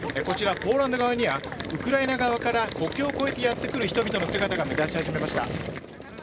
こちら、ポーランド側にはウクライナ側から国境を越えてやってくる人々の姿が目立ち始めました。